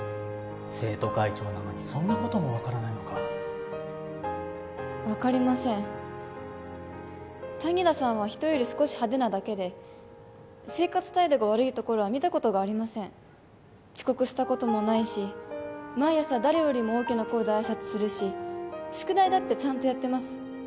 生徒会長なのにそんなことも分からないのか分かりません谷田さんは人より少し派手なだけで生活態度が悪いところは見たことがありません遅刻したこともないし毎朝誰よりも大きな声で挨拶するし宿題だってちゃんとやってます